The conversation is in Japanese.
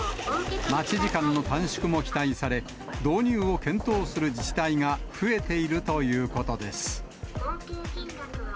待ち時間の短縮も期待され、導入を検討する自治体が増えているということです。